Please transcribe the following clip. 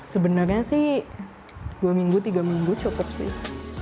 sebenarnya sih dua minggu tiga minggu cukup sih